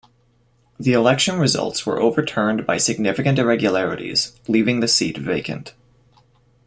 The election results were overturned by significant irregularities leaving the seat vacant.